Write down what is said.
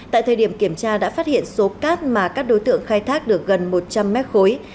tại thời điểm kiểm tra đã phát hiện số cát mà các đối tượng khai thác được gần một trăm linh mét khối